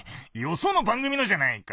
その番組のじゃないか。